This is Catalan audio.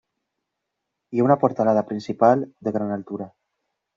Hi ha una portalada principal de gran altura.